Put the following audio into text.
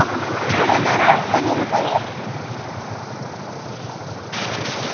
これならあげるから！